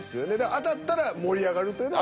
当たったら盛り上がるというのが。